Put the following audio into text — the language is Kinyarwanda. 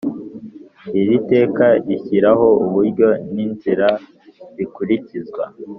Iri teka rishyiraho uburyo n inzira bikurikizwa